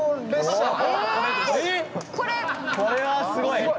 これはすごい！